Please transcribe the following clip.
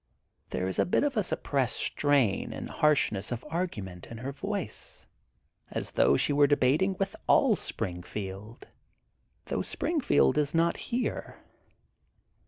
There is a bit of a suppressed strain and the harshness of argument in her voice, as though she were debating with all Springfield, though Springfield is not here.